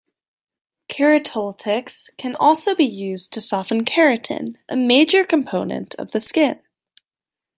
Keratolytics can also be used to soften keratin, a major component of the skin.